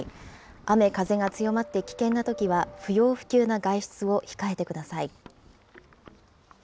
雨、風が強まって危険なときは、不要不急な外出を控えてください。